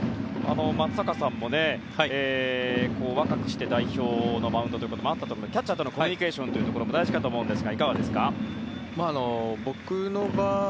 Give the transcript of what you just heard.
松坂さんも若くして代表のマウンドもあったと思いますがキャッチャーとのコミュニケーションも大事かと思いますがいかがですか？